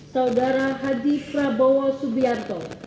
saudara haji prabowo subianto